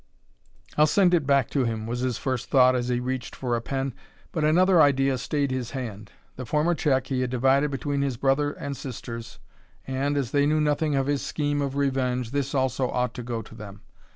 "I'll send it back to him," was his first thought, as he reached for a pen. But another idea stayed his hand. The former check he had divided between his brother and sisters, and, as they knew nothing of his scheme of revenge, this also ought to go to them.